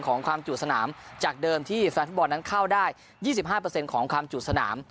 ของความจูดสนามจากเดิมที่แฟนบอลนั้นเข้าได้๒๕เปอร์เซ็นต์ของความจูดสนาม